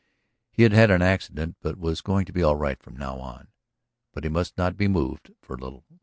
He had had an accident but was going to be all right from now on. But he must not be moved for a little.